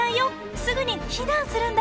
すぐに避難するんだ！」。